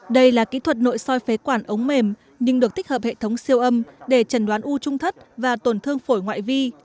đây là kỹ thuật nội soi phế quản ống mềm nhưng được tích hợp hệ thống siêu âm để chẩn đoán u trung thất và tổn thương phổi ngoại vi